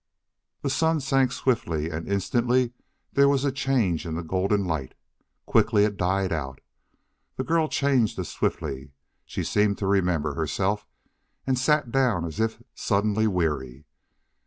The sun sank swiftly, and instantly there was a change in the golden light. Quickly it died out. The girl changed as swiftly. She seemed to remember herself, and sat down as if suddenly weary.